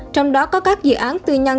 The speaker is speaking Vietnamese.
trong đó có các dự án tư nhân